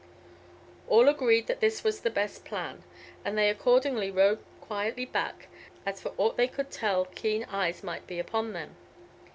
All agreed that this was the best plan, and they accordingly rode quietly back, as for aught they could tell keen eyes might be upon them.